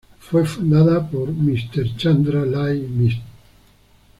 Fue fundada por Mr.Chandra Lie, Mr.